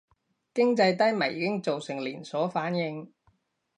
經濟低迷已經造成連鎖反應